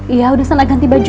iya udah salah ganti baju